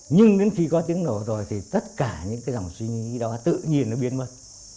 nhưng đến khi có tiếng nổ rồi thì tất cả những cái dòng suy nghĩ đó tự nhiên nó biến mất